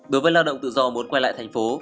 đối với lao động tự do muốn quay lại thành phố